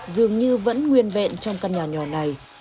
dường như vẫn nguyên vẹn trong căn nhà nhỏ này